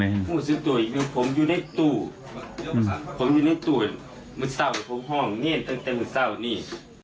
หมุดเศร้ามาข้อมแต่หมุดเศร้านี้